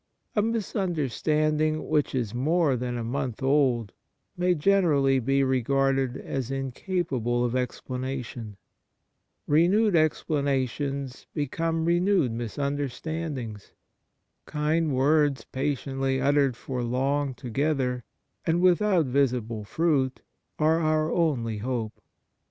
A mis understanding which is more than a month old may generally be regarded as incap able of explanation. Renewed explana Kind Words 69 tions become renewed misunderstandings. Kind words patiently uttered for long to gether, and without visible fruit, are our only hope.